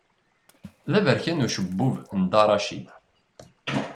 D aberkan ucebbub n Dda Racid.